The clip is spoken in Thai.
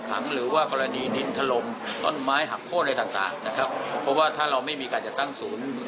ขังหรือว่ากรณีดินถล่มต้นไม้หักโค้นอะไรต่างต่างนะครับเพราะว่าถ้าเราไม่มีการจัดตั้งศูนย์